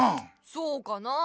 そうかなあ？